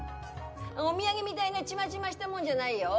お土産みだいなチマチマしたもんじゃないよ？